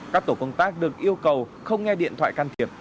các tổ công tác được yêu cầu không nghe điện thoại can thiệp